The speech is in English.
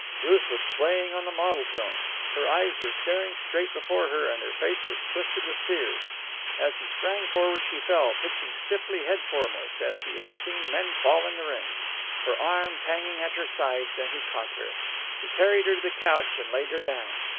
Ruth was swaying on the model throne. Her eyes were staring straight before her and her face was twisted with fear. As he sprang forward she fell, pitching stiffly head foremost, as he had seen men fall in the ring, her arms hanging at her sides; and he caught her. He carried her to the couch and laid her down.